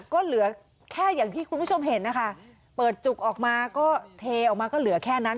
ก็เหลือแค่อย่างที่คุณผู้ชมเห็นนะคะเปิดจุกออกมาก็เทออกมาก็เหลือแค่นั้น